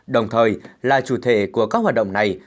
đồng thời là chủ thể của các hoạt động này